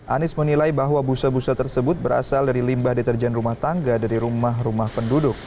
anies menilai bahwa busa busa tersebut berasal dari limbah deterjen rumah tangga dari rumah rumah penduduk